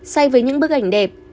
say với những bức ảnh đẹp